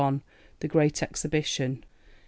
THE GREAT EXHIBITION. 1852.